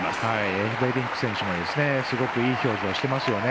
エフベリンク選手もすごくいい表情見せてますよね。